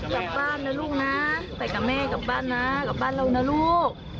เมื่อนเลยไปกับแม่กลับบ้านนะลูก